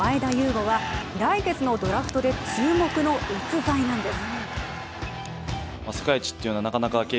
伍は来月のドラフトで注目の逸材なんです。